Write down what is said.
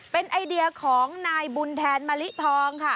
เป็นไอเดียของนายบุญแทนมะลิทองค่ะ